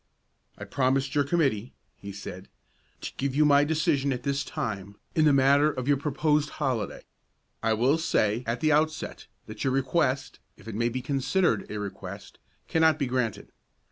"I promised your committee," he said, "to give you my decision at this time in the matter of your proposed holiday. I will say at the outset, that your request, if it may be considered a request, cannot be granted.